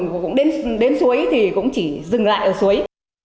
và cũng đến suối thì cũng chỉ dừng lại ở suối